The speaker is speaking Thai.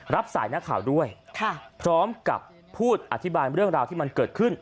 รับสายนักข่าวด้วยพร้อมกับพูดอธิบายเรื่องราวที่มันเกิดขึ้น